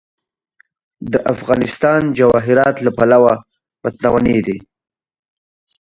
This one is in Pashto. افغانستان د جواهرات له پلوه متنوع دی.